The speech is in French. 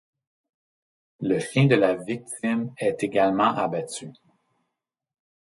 Le chien de la victime est également abattu.